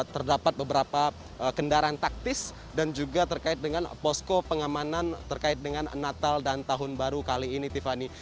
terdapat beberapa kendaraan taktis dan juga terkait dengan posko pengamanan terkait dengan natal dan tahun baru kali ini tiffany